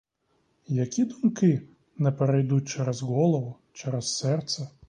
Які думки не перейдуть через голову, через серце?